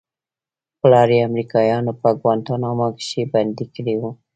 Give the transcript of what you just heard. پلار يې امريکايانو په گوانټانامو کښې بندي کړى و.